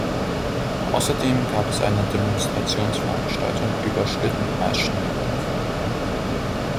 Außerdem gab es eine Demonstrations-Veranstaltung über Schlitten-Eisschnelllauf.